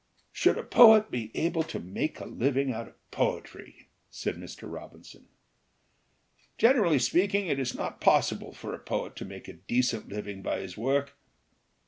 "Should a poet be able to make a living out of poetry?" said Mr. Robinson. "Generally speak ing, it is not possible for a poet to make a decent living by his work.